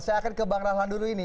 saya akan ke bang rahlan dulu ini